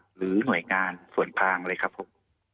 หรือหน่วยงานส่วนกลางเลยครับผม